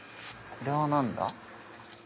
これ何だ？